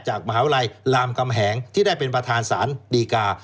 จากมหาวิทยาลัยรามกำแหงที่ได้เป็นประธานศาลดีกา